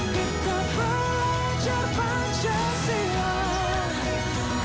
kita belajar panjang siang